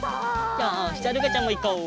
よしじゃあるかちゃんもいこう！